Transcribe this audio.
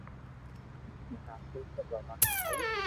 ھين آپرو سب حوال ھڻاو